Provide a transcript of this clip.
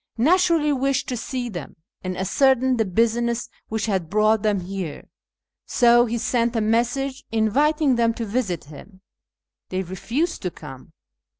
) naturally wished to see them and ascertain the business which had brought them here, so he sent a message inviting them to visit him. They refused to come.